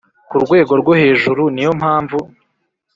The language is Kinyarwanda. ku rwego rwo hejuru niyo mpamvu